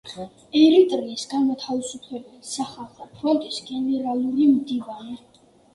ერიტრეის განმათავისუფლებელი სახალხო ფრონტის გენერალური მდივანი.